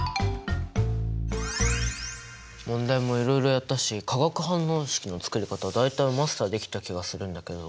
問題もいろいろやったし化学反応式のつくり方は大体マスターできた気がするんだけど。